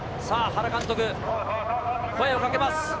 さあ、原監督、声をかけます。